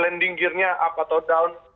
landing gear nya up atau down